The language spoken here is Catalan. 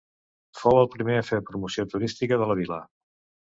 Fou el primer a fer promoció turística de la vila.